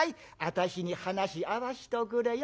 私に話合わしておくれよ。